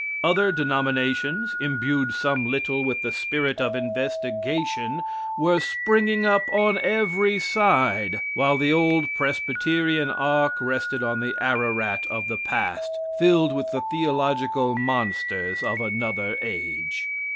Other denominations, imbued some little with the spirit of investigation, were springing up on every side, while the old Presbyterian ark rested on the Ararat of the past, filled with the theological monsters of another age.